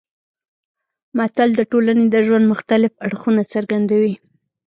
متل د ټولنې د ژوند مختلف اړخونه څرګندوي